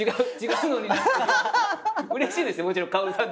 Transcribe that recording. うれしいですよもちろん。